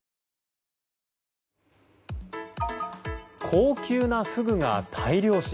高級なフグが大量死。